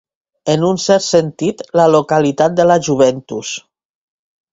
En un cert sentit, la localitat de la Juventus.